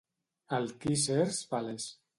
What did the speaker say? Al Caesar's Palace".